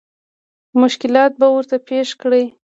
مشکلات به ورته پېښ کړي.